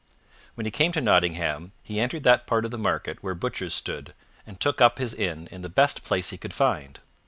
When he came to Nottingham, he entered that part of the market where butchers stood, and took up his inn(2) in the best place he could find.